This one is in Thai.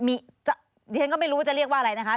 เดี๋ยวฉันก็ไม่รู้ว่าจะเรียกว่าอะไรนะคะ